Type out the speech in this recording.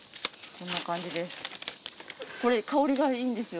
こんな感じです。